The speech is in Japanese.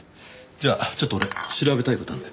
じゃあちょっと俺調べたい事あるんで。